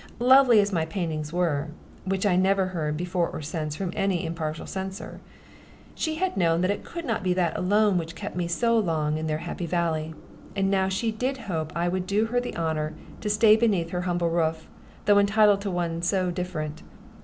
Lovely as my paintings were (which I never heard, before or since, from any impartial censor), she had known that it could not be that alone which had kept me so long in their happy valley. And now she did hope I would do her the honor to stay beneath her humble roof, though entitled to one so different.